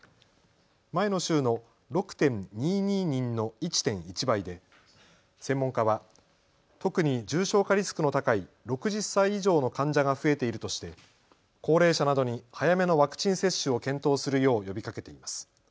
前の週の６．２２人の１．１倍で専門家は特に重症化リスクの高い６０歳以上の患者が増えているとして高齢者などに早めのワクチン接種を検討するよう呼びかけています。